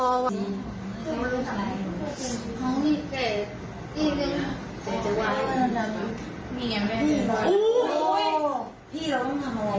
พี่เราต้องทำอะไรนะ